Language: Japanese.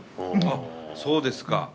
あっそうですか。